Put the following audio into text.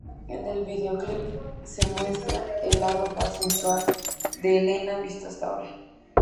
En el videoclip se muestra el lado más sensual de Helena visto hasta ahora.